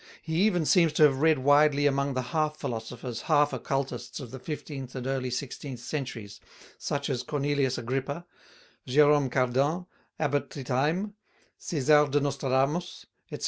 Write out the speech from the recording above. He even seems to have read widely among the half philosophers, half occultists of the fifteenth and early sixteenth centuries, such as Cornelius Agrippa, Jerome Cardan, Abbot Tritheim, César de Nostradamus, etc.